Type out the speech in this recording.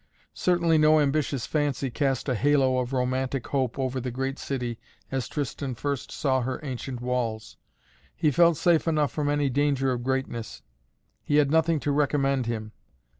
Certainly no ambitious fancy cast a halo of romantic hope over the great city as Tristan first saw her ancient walls. He felt safe enough from any danger of greatness. He had nothing to recommend him.